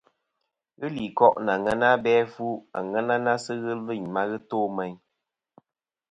Ghɨ li koʼ nɨ aŋena abe afu, aŋena na sɨ ghɨ lvɨyn ma ghɨ to meyn.